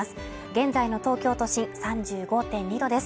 現在の東京都心３５．２度です。